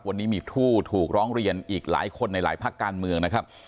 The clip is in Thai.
วันนี้มีผู้ถูกร้องเรียนอีกหลายคนในหลายภาคการเมืองนะครับ